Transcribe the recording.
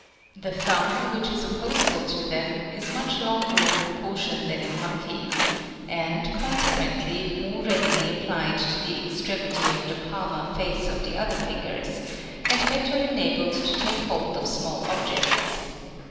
The thumb, which is opposable to them, is much longer in pro portion than in monkeys, and, consequently, more readily ap plied to the extremity of the palmar face of the other fingers, .and better enabled to take hold of small objects.